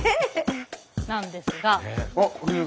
なんですが。